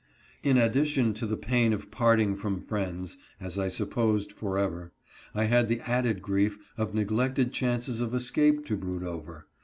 In addition to the pain of parting from friends, as I supposed, forever, I had the added grief of neglected chances of escape to brood over.